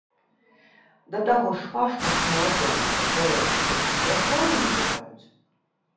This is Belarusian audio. Да таго ж пашпарт у маладзёнаў, каб праверыць узрост, як правіла не пытаюць.